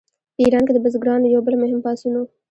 په ایران کې د بزګرانو یو بل مهم پاڅون و.